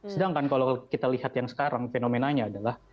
sedangkan kalau kita lihat yang sekarang fenomenanya adalah